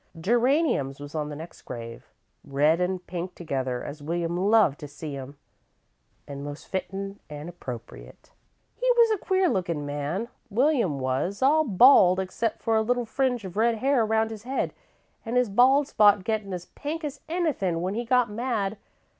"Geraniums was on the next grave, red an' pink together, as William loved to see 'em, an' most fittin' an' appropriate. He was a queer lookin' man, William was, all bald except for a little fringe of red hair around his head, an' his bald spot gettin' as pink as anythin' when he got mad.